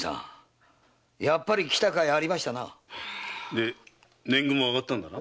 で年貢も上がったんだな？